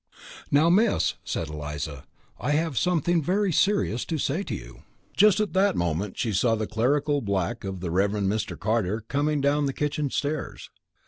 "Now, Miss," said Eliza. "I have something very serious to say to you " Just at that moment she saw the clerical black of the Reverend Mr. Carter coming down the kitchen stairs.